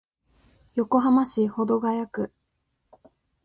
横浜市保土ケ谷区